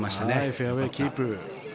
フェアウェーキープ。